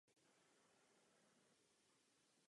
Je otcem šesti dětí.